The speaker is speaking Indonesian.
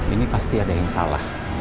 ini pasti ada yang salah